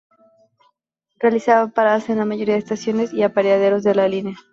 Realizaba paradas en la mayoría de estaciones y apeaderos de la línea.